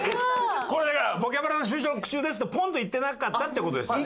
これだから「『ボキャブラ』の収録中です」ってポンと言ってなかったって事ですよね？